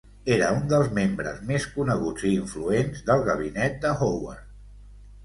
Era un dels membres més coneguts i influents del gabinet de Howard.